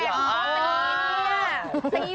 ฮอตแบบนี้เนี่ย